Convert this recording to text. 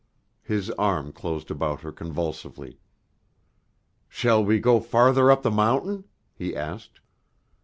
His arm closed about her convulsively. "Shall we go farther up the mountain?" he asked.